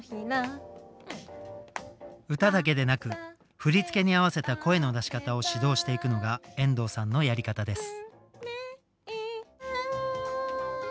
歌だけでなく振り付けに合わせた声の出し方を指導していくのが遠藤さんのやり方です。